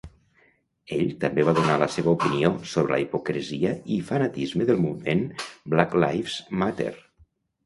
Ell també va donar la seva opinió sobre la hipocresia i fanatisme del moviment Black Lives Matter.